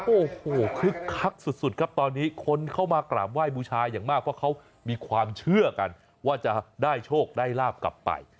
โอ้โหคึกคักสุดครับตอนนี้คนเข้ามากราบไหว้บูชาอย่างมากเพราะเขามีความเชื่อกันว่าจะได้โชคได้ลาบกลับไป